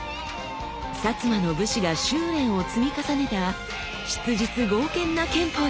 摩の武士が修練を積み重ねた質実剛健な剣法です。